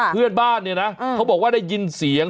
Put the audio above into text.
เพื่อนบ้านเนี่ยนะเขาบอกว่าได้ยินเสียง